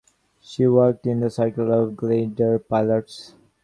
She worked in the circle of glider pilots.